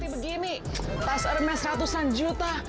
seperti begini tas hermes ratusan juta